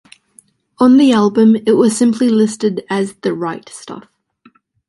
On the album, it was simply listed as The Right Stuff.